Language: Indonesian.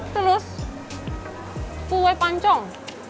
terus kue pancong